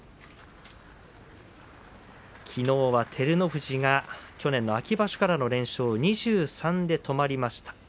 きのうは照ノ富士が去年の秋場所からの連勝２３で止まりました。